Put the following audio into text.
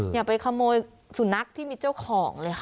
อย่าไปขโมยสุนัขที่มีเจ้าของเลยค่ะ